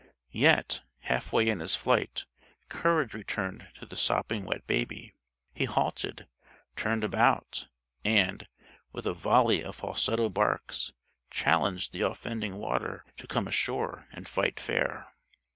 Yet, halfway in his flight, courage returned to the sopping wet baby. He halted, turned about and, with a volley of falsetto barks, challenged the offending water to come ashore and fight fair.